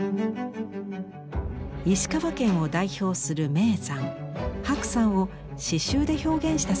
石川県を代表する名山白山を刺しゅうで表現した作品です。